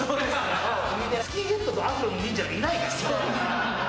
スキンヘッドとアフロの忍者なんかいないから。